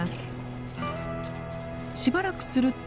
しばらくすると。